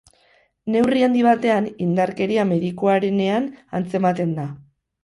Neurri handi batean, indarkeria medikuarenean antzematen da.